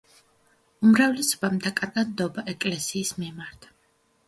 უმრავლესობამ დაკარგა ნდობა ეკლესიის მიმართ.